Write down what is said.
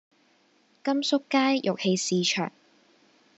甘肅街玉器市場